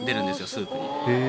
スープに。